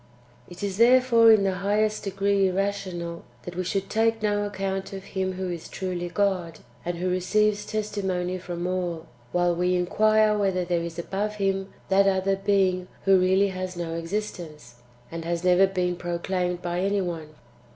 1. It is therefore in the highest degree irrational, that we should take no account of Him who is truly God, and who receives testimony from all, while we inquire whether there is above Him that [other being] who really has no existence, and has never been proclaimed by any one.